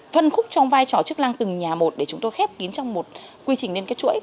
phân khúc trong vai trò chức lăng từng nhà một để chúng tôi khép kín trong một quy trình liên kết chuỗi